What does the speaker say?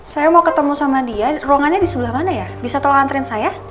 saya mau ketemu sama dia ruangannya di sebelah mana ya bisa tolong antren saya